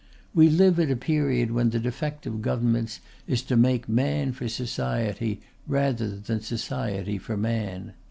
We live at a period when the defect of governments is to make Man for Society rather than Society for Man.